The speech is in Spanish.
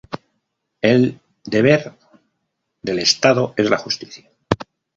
El deber del Estado es la justicia.